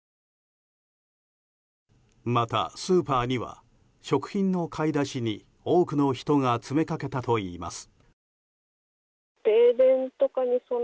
また、スーパーには食品の買い出しに多くの人が詰めかけたといいます。